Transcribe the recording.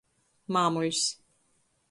Māmuļs.